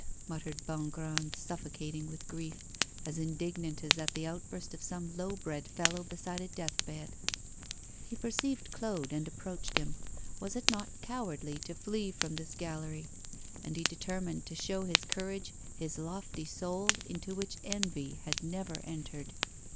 muttered Bongrand, suffocating with grief, as indignant as at the outburst of some low bred fellow beside a deathbed. He perceived Claude, and approached him. Was it not cowardly to flee from this gallery? And he determined to show his courage, his lofty soul, into which envy had never entered.